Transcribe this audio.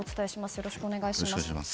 よろしくお願いします。